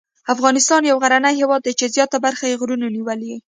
افغانستان یو غرنی هېواد دی چې زیاته برخه یې غرونو نیولې.